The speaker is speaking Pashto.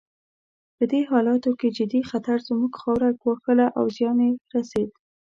په دې حالاتو کې جدي خطر زموږ خاوره ګواښله او زیان یې رسېد.